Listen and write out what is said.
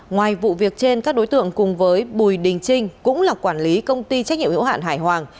ngoài vụ việc trên các đối tượng cùng với bùi đình trinh cũng là quản lý công ty trách nhiệm hiệu hạn hải hoàng